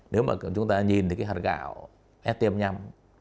nếu mà chúng ta nhìn thấy cái hạt gạo stm năm